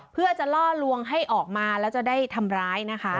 เพื่อจะล่อลวงให้ออกมาแล้วจะได้ทำร้ายนะคะ